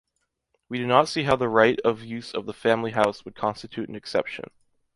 We do not see how the right of use of the family house would constitute an exception.